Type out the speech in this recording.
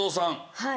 はい。